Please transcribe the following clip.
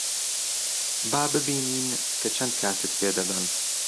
با ببینین کە چەند کاتت پێ دەدەن.